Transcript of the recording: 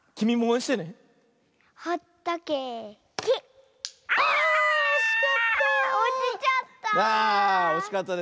おちちゃった。